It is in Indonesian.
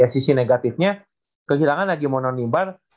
sisi negatifnya kesilangan lagi mononimbar